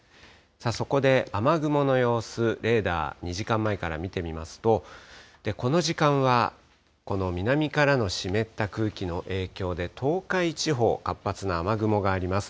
そこで雨雲の様子、レーダー、２時間前から見てみますと、この時間は、この南からの湿った空気の影響で東海地方、活発な雨雲があります。